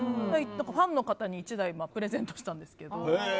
だからファンの方に１台プレゼントしたんですけど。